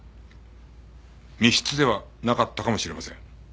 密室ではなかったかもしれません。